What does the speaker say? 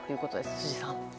辻さん。